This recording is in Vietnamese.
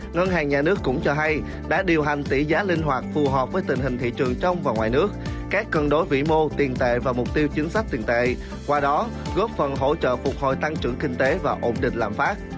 ngân hàng nhà nước cũng cho hay đã điều hành tỷ giá linh hoạt phù hợp với tình hình thị trường trong và ngoài nước các cân đối vĩ mô tiền tệ và mục tiêu chính sách tiền tệ qua đó góp phần hỗ trợ phục hồi tăng trưởng kinh tế và ổn định lạm phát